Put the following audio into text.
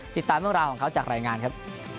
ติดตามเวลาของเขาจากรายงานครับ